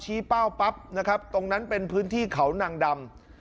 ชิ้นเป้าแบบตรงนั้นเป็นพื้นที่ขาวนังดำ